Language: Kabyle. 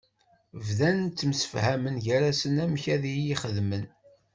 Bdan ttemsefhamen gar-asen amek ad iyi-xedmen.